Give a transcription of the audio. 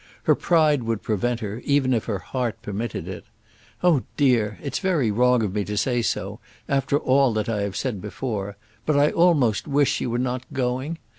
Her pride would prevent her, even if her heart permitted it. Oh! dear; it's very wrong of me to say so, after all that I have said before; but I almost wish you were not going.